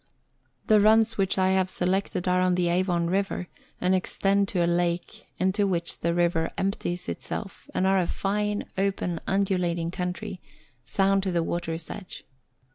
The runs which I have selected are on the Avon River, and extend to a lake into which the river empties itself, and are a fine, open, undulating country, sound to the water's edge.